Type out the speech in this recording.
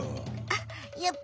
あっ